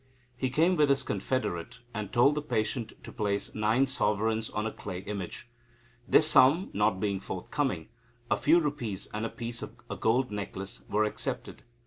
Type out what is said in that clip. He came with his confederate, and told the patient to place nine sovereigns on a clay image. This sum not being forthcoming, a few rupees and a piece of a gold necklace were accepted.